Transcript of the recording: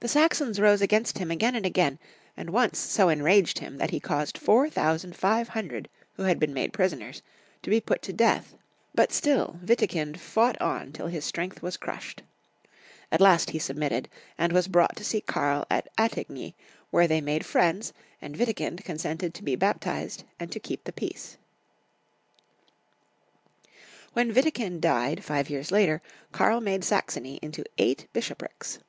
The Saxons rose against liim again and again, and once so en raged him that he caused four thousand five hun dred who had been made prisoners to be put to death; but still Witikind fought on till his strength was crushed. At last he submitted, and was brought to see Karl at Atigny, where they made friends, and Witikind consented to be baptized and to keep the peace. 64 Young Folks' History of Germany, When Witikind died, five years later, Karl made Saxony into eight bishoprics.